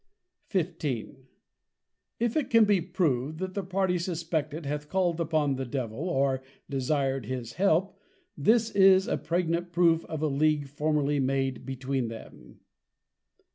_ XV. _If it can be proved, that the party suspected hath called upon the +Devil+, or desired his Help, this is a pregnant proof of a League formerly made between them.